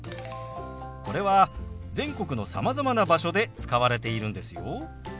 これは全国のさまざまな場所で使われているんですよ。